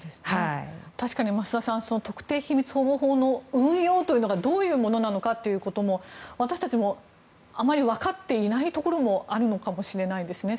確かに増田さん特定秘密保護法の運用というのがどういうものなのか私たちもあまり分かっていないところもあるのかもしれないですね。